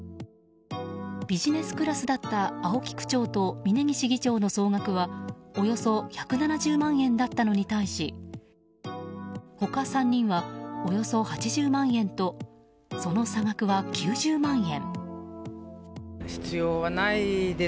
ビジネスクラスだった青木区長と峯岸議長の総額はおよそ１７０万円だったのに対して他３人は、およそ８０万円とその差額は９０万円。